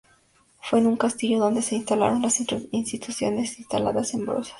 Fue en este castillo donde se instalaron las instituciones instaladas en Brozas.